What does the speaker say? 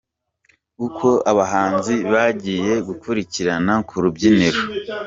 Uko abahanzi bagiye gukurikirana ku rubyiniro:.